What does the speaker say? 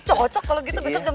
cocok kalau gitu besok jam